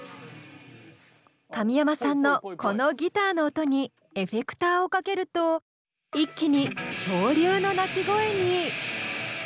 神山さんのこのギターの音にエフェクターをかけると一気に恐竜の鳴き声に！